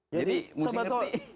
jadi musik ngerti